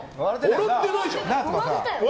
笑ってないじゃん。